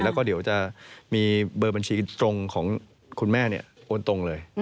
แล้วก็เดี๋ยวจะมีเบอร์บัญชีตรงของคุณแม่โอนตรงเลย